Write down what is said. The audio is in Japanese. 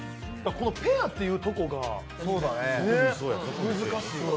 このペアってところが難しい。